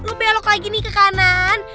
gue belok lagi nih ke kanan